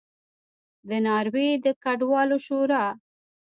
د ناروې د کډوالو شورا